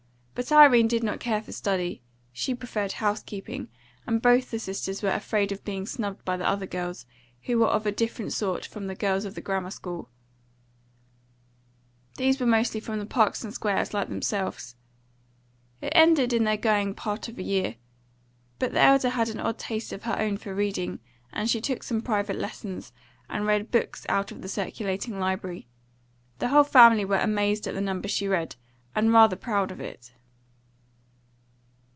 But Irene did not care for study; she preferred house keeping, and both the sisters were afraid of being snubbed by the other girls, who were of a different sort from the girls of the grammar school; these were mostly from the parks and squares, like themselves. It ended in their going part of a year. But the elder had an odd taste of her own for reading, and she took some private lessons, and read books out of the circulating library; the whole family were amazed at the number she read, and rather proud of it.